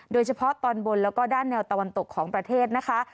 โดยเฉพาะตอนบนแล้วก็ด้านแนวตะวันตกของประเทศนะคะ